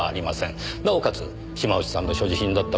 なおかつ島内さんの所持品だった